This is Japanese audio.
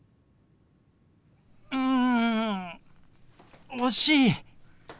ん惜しい！